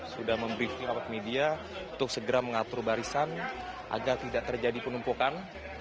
sudah memberi view awak media untuk segera mengatur barisan agar tidak terjadi penumpukan